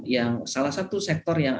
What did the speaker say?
yang salah satu sektor yang